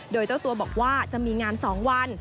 โดยเจ้าตัวบอกว่าจะมีงาน๒วัน